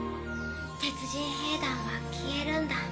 鉄人兵団は消えるんだ。